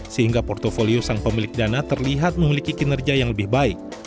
sehingga portfolio sang pemilik dana terlihat memiliki kinerja yang lebih baik